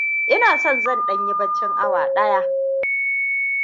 Ina son zan ɗan yi baccin awa ɗaya.